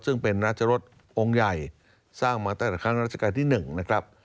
ซึ่งเป็นราชรสองค์ใหญ่สร้างมาตั้งแต่ครั้งราชการที่๑นะครับ